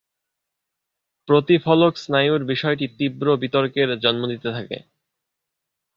প্রতিফলক স্নায়ুর বিষয়টি তীব্র বিতর্কের জন্ম দিতে থাকে।